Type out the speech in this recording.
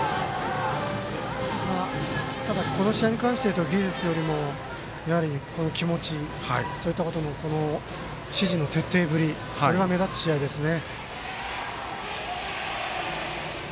ただこの試合に関していうと技術よりも気持ちそういったことや指示の徹底ぶりが目立つ試合ですね。